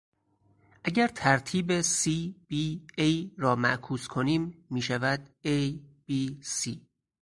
اگر ترتیب c b a را معکوس کنیم میشود a b c.